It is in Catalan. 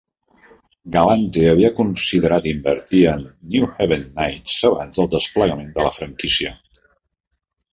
Galante havia considerat invertir en New Haven Knights abans del desplegament de la franquícia.